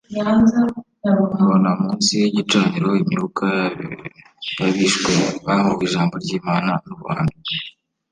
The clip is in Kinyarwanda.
mbona munsi y’igicaniro imyuka y’abishwe bahōwe ijambo ry’Imana n’ubuhamya